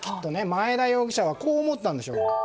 マエダ容疑者はこう思ったんでしょう。